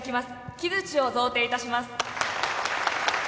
木づちを贈呈いたします。